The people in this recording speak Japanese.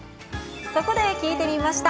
そこで聞いてみました。